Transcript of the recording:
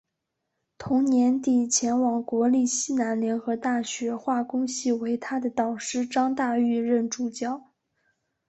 同年底前往国立西南联合大学化工系为他的导师张大煜任助教。